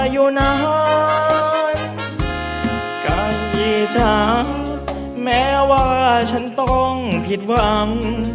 อยู่ไหนกันพี่จ๋าแม้ว่าฉันต้องผิดหวัง